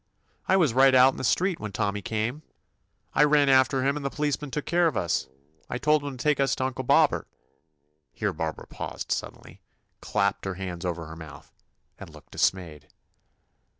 I was right out in the street when Tommy came. I ran after him and the policeman took care of us. I 160 TOMMY POSTOFFICE told him to take us to Uncle Bob bert!" here Barbara paused suddenly, clapped her hand over her mouth, and looked dismayed.